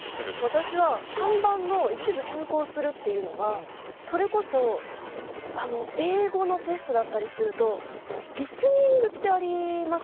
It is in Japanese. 私は３番の「一部変更する」っていうのはそれこそ英語のテストだったりするとリスニングってありますよね。